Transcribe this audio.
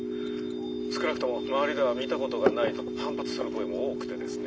少なくとも周りでは見たことがないと反発する声も多くてですね」。